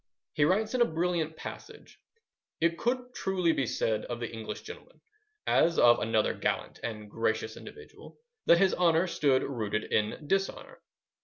He writes in a brilliant passage:— It could truly be said of the English gentleman, as of another gallant and gracious individual, that his honour stood rooted in dishonour.